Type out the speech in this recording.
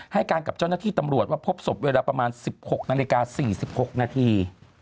ให้การกับเจ้าหน้าที่ตำรวจว่าพบศพเวลาประมาณ๑๖นาฬิกา๔๖นาที